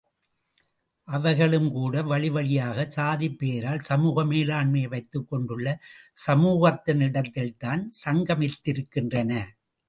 அவைகளும்கூட வழிவழியாகச் சாதிப் பெயரால் சமூக மேலாண்மையை வைத்துக் கொண்டுள்ள சமூகத்தினிடத்தில் தான் சங்கமித்திருக்கின்றன.